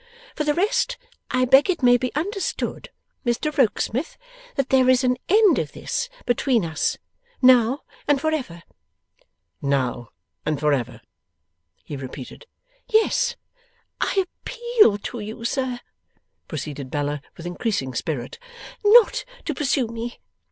For the rest, I beg it may be understood, Mr Rokesmith, that there is an end of this between us, now and for ever.' 'Now and for ever,' he repeated. 'Yes. I appeal to you, sir,' proceeded Bella with increasing spirit, 'not to pursue me.